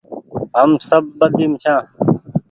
هم سب ٻڌيم ڇآن